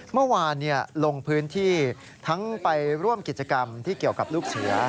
เมื่อวานลงพื้นที่ทั้งไปร่วมกิจกรรมที่เกี่ยวกับลูกเสือ